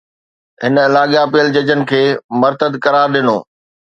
هن لاڳاپيل ججن کي مرتد قرار ڏنو